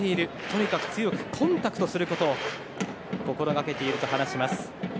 とにかく強くコンタクトすることを心がけていると話します。